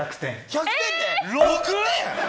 １００点で６点！